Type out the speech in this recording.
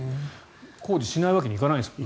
工事しないわけにはいかないですよね。